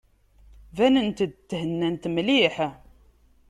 Banent-d thennant mliḥ.